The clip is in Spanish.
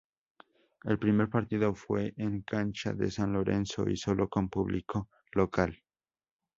El primer partido fue en cancha de San Lorenzo y solo con público local.